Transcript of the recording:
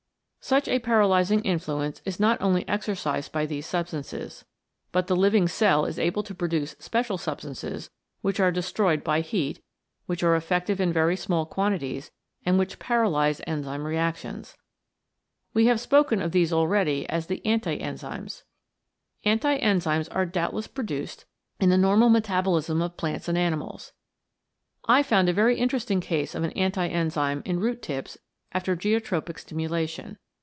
Such a paralysing influence is not only exercised by these substances, but the living cell is able to produce special substances, which are destroyed by heat, which are effective in very small quanti ties, and which paralyse enzyme reactions. We have spoken of these already as the Anti Enzymes. Anti enzymes are doubtless produced in the 102 CATALYSIS AND THE ENZYMES normal metabolism of plants and animals. I found a very interesting case of an anti enzyme in root tips after geotropic stimulation.